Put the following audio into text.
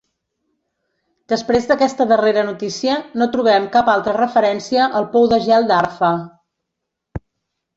Després d'aquesta darrera notícia, no trobem cap altra referència al pou de gel d'Arfa.